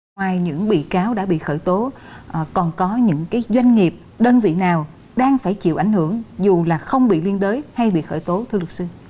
ngoài những bị cáo đã bị khởi tố còn có những doanh nghiệp đơn vị nào đang phải chịu ảnh hưởng dù là không bị liên đới hay bị khởi tố thưa luật sư